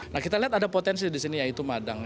nah kita lihat ada potensi di sini yaitu madang